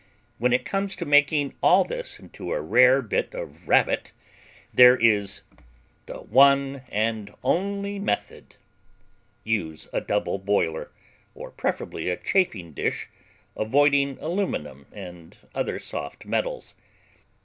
When it comes to making all this into a rare bit of Rabbit there is: The One and Only Method Use a double boiler, or preferably a chafing dish, avoiding aluminum and other soft metals.